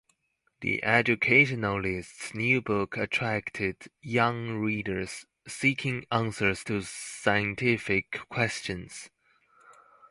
The educationalist's new book attracted young readers seeking answers to scientific questions.